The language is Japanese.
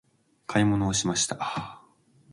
買い物をしました。